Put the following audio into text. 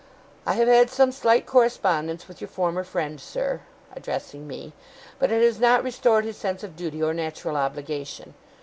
I have had some slight correspondence with your former friend, sir,' addressing me, 'but it has not restored his sense of duty or natural obligation.